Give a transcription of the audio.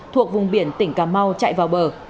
thuộc vùng biển tỉnh cà mau chạy vào bờ